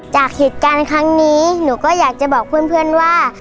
จากเหตุการณ์ครั้งนี้หนูก็อยากจะบอกเพื่อนว่า